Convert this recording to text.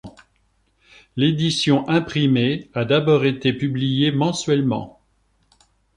L'édition imprimée a d'abord été publiée mensuellement.